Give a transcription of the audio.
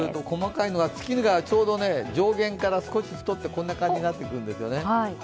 細かいのが、月がちょうど上弦から少し太ってこんな感じになってくるんですね。